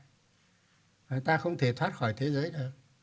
người ta không thể thoát khỏi thế giới được